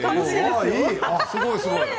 すごいすごい。